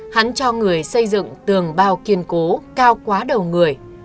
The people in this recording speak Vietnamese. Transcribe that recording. hắn cho người xây dựng tường bao kiên cố cao quá đầu người